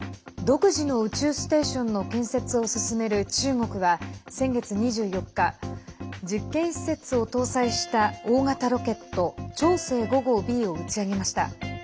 独自の宇宙ステーションの建設を進める中国は先月２４日、実験施設を搭載した大型ロケット長征５号Ｂを打ち上げました。